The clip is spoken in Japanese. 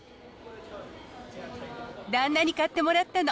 旦那に買ってもらったの。